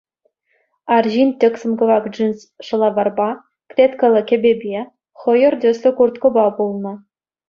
Арҫын тӗксӗм кӑвак джинс шӑлаварпа, клеткӑллӑ кӗпепе, хӑйӑр тӗслӗ курткӑпа пулнӑ.